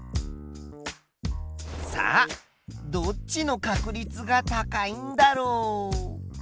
さあどっちの確率が高いんだろう？